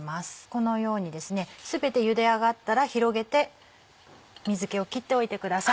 このように全てゆで上がったら広げて水気を切っておいてください。